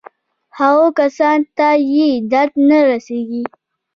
هغو کسانو ته یې درد نه رسېږي.